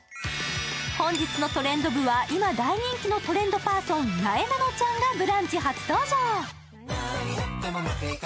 本日のトレンド部は今、大人気のトレンドパーソンなえなのちゃんが「ブランチ」初登場。